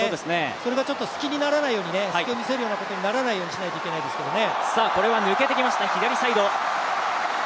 それがちょっと隙を見せることにならないようにしなければいけないですけどね。